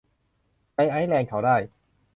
ในไอซ์แลนด์เขาได้